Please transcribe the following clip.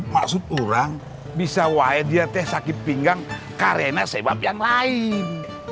maksud orang bisa wah dia teh sakit pinggang karena sebab yang lain